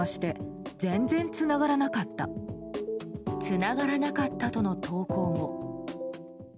つながらなかったとの投稿も。